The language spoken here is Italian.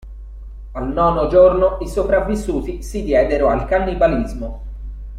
Al nono giorno i sopravvissuti si diedero al cannibalismo.